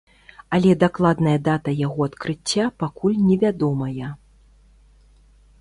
Але дакладная дата яго адкрыцця пакуль невядомая.